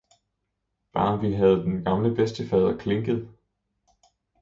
Bare vi havde den gamle bedstefader klinket!